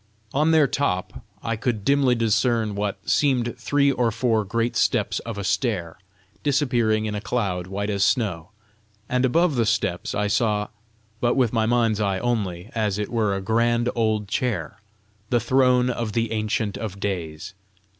On their top I could dimly discern what seemed three or four great steps of a stair, disappearing in a cloud white as snow; and above the steps I saw, but with my mind's eye only, as it were a grand old chair, the throne of the Ancient of Days.